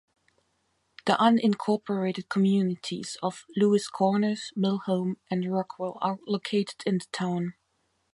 The unincorporated communities of Louis Corners, Millhome, and Rockville are located in the town.